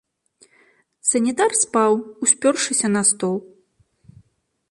Санітар спаў, успёршыся на стол.